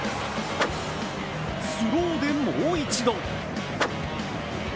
スローで、もう一度。